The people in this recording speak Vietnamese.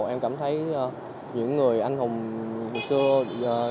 em cảm thấy những người anh hùng hồi xưa